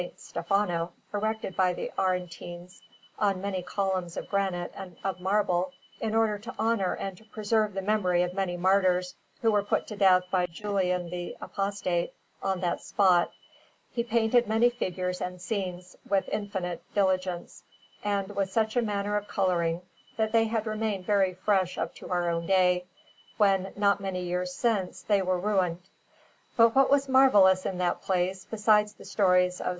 Stefano, erected by the Aretines on many columns of granite and of marble in order to honour and to preserve the memory of many martyrs who were put to death by Julian the Apostate on that spot, he painted many figures and scenes, with infinite diligence, and with such a manner of colouring that they had remained very fresh up to our own day, when, not many years since, they were ruined. But what was marvellous in that place, besides the stories of S.